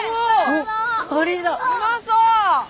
うまそう！